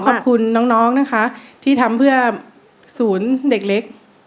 ขอบคุณน้องนะคะที่ทำเพื่อศูนย์เด็กเล็ก